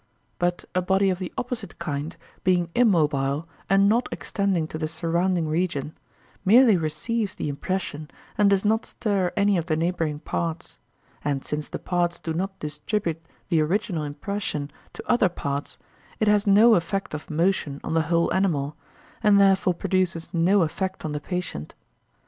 But a body of the opposite kind, being immobile, and not extending to the surrounding region, merely receives the impression, and does not stir any of the neighbouring parts; and since the parts do not distribute the original impression to other parts, it has no effect of motion on the whole animal, and therefore produces no effect on the patient.